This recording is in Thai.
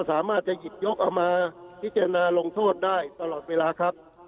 สามารถจะหยิบยกเอามาพิจารณาลงโทษได้ตลอดเวลาครับ